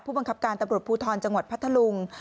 บังคับการตำรวจภูทรจังหวัดพัทธลุง